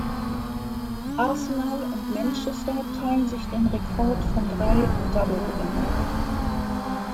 Arsenal und Manchester teilen sich den Rekord von drei Double-Gewinnen.